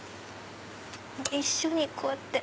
一緒にこうやって。